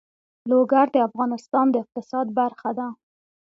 لوگر د افغانستان د اقتصاد برخه ده.